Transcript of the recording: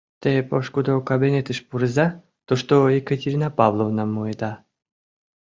Те пошкудо кабинетыш пурыза, тушто Екатерина Павловнам муыда...